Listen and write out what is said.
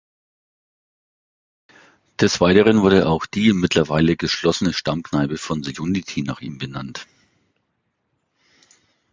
Des Weiteren wurde auch die, mittlerweile geschlossene, Stammkneipe von "The Unity" nach ihm benannt.